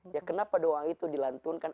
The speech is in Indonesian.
ya kenapa doa itu dilantunkan